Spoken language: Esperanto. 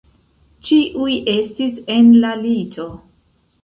Ĉiuj estis en la lito.